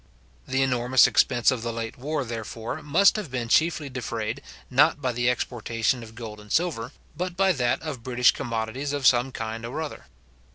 The enormous expense of the late war, therefore, must have been chiefly defrayed, not by the exportation of gold and silver, but by that of British commodities of some kind or other.